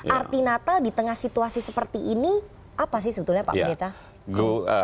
arti natal di tengah situasi seperti ini apa sih sebetulnya pak pendeta